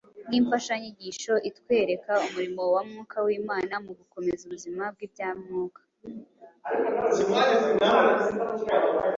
nk’imfashanyigisho itwereka umurimo wa Mwuka w’Imana mu gukomeza ubuzima bw’ibya Mwuka.